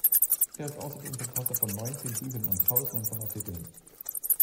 Er ist außerdem Verfasser von neunzehn Büchern und Tausenden von Artikeln.